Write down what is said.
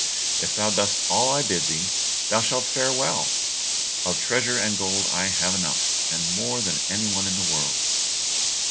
If thou dost all I bid thee, thou shalt fare well. Of treasure and gold have I enough, and more than anyone in the world."